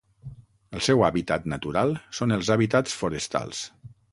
El seu hàbitat natural són els hàbitats forestals.